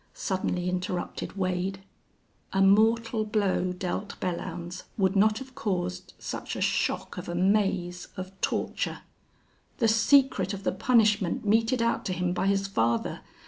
suddenly interrupted Wade. A mortal blow dealt Belllounds would not have caused such a shock of amaze, of torture. The secret of the punishment meted out to him by his father!